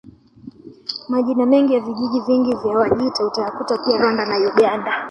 Majina mengi ya vijiji vingi vya Wajita utayakuta pia Rwanda na Uganda